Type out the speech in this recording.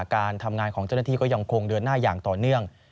การทำงานของเจ้าหน้าที่ก็ยังคงเดินหน้าอย่างต่อเนื่อง